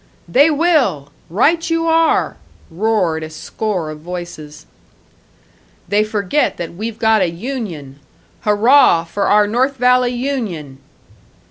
"They will! Right you are!" roared a score of voices. "They forget that we've got a union. Hurrah for our North Valley union!"